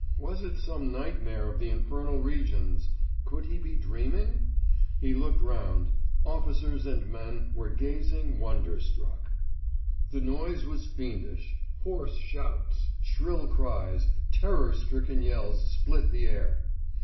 Was it some nightmare of the Infernal Regions? Could he be dreaming? He looked round. Officers and men were gazing wonder struck. The noise was fiendish: hoarse shouts, shrill cries, terror stricken yells split the air.